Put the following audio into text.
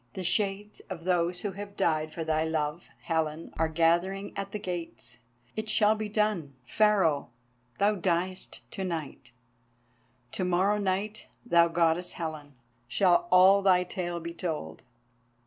The Shades of those who have died for thy love, Helen, are gathering at the gates. It shall be done. Pharaoh, thou diest to night. To morrow night, thou Goddess Helen, shall all thy tale be told.